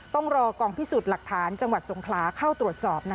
ต้องรอกองพิสูจน์หลักฐานจังหวัดสงขลาเข้าตรวจสอบ